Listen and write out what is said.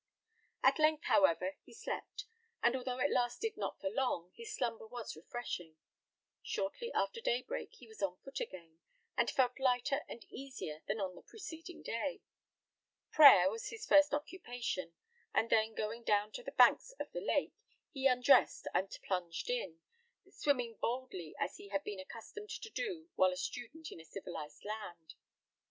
At length, however, he slept; and, although it lasted not for long, his slumber was refreshing. Shortly after daybreak he was on foot again, and felt lighter and easier than on the preceding day. Prayer was his first occupation; and then going down to the banks of the lake, he undressed and plunged in, swimming boldly, as he had been accustomed to do while a student in a civilised land.